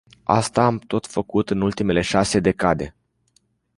Asta am tot făcut în ultimele șase decade.